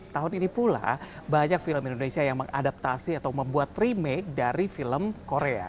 tahun ini pula banyak film indonesia yang mengadaptasi atau membuat free make dari film korea